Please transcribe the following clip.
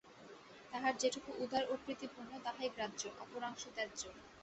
তাহার যেটুকু উদার ও প্রীতিপূর্ণ, তাহাই গ্রাহ্য, অপরাংশ ত্যাজ্য।